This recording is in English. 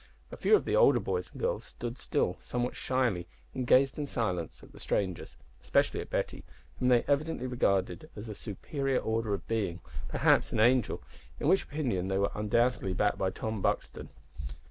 A few of the older boys and girls stood still somewhat shyly, and gazed in silence at the strangers, especially at Betty, whom they evidently regarded as a superior order of being perhaps an angel in which opinion they were undoubtedly backed by Tom Buxton.